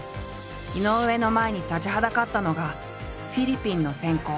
井上の前に立ちはだかったのが「フィリピンの閃光」